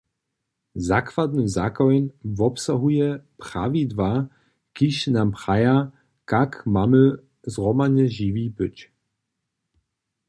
Zakładny zakoń wobsahuje prawidła, kiž nam praja, kak mamy zhromadnje žiwi być.